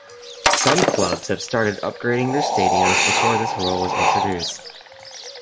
Some clubs had started upgrading their stadiums before this rule was introduced.